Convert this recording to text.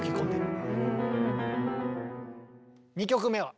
２曲目は？